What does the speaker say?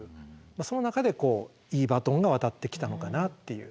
その中でいいバトンが渡ってきたのかなっていう。